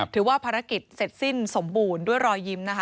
ถือว่าภารกิจเสร็จสิ้นสมบูรณ์ด้วยรอยยิ้มนะคะ